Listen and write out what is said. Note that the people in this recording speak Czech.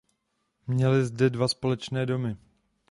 Měli zde dva společné domy.